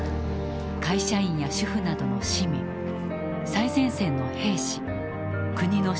会社員や主婦などの市民最前線の兵士国の指導者たち。